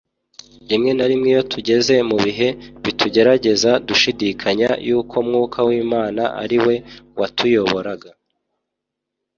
Rimwe na rimwe iyo tugeze mu bihe bitugerageza dushidikanya yuko Mwuka w’Imana ari we watuyoboraga